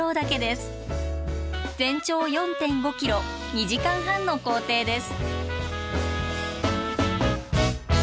全長４．５ｋｍ２時間半の行程です。